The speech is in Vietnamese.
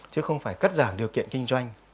chứ không phải cắt giảm điều kiện kinh doanh